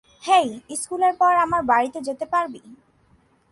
হেই, স্কুলের পর আমার বাড়িতে যেতে পারবি?